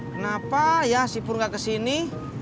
kenapa ya si pur nggak kesini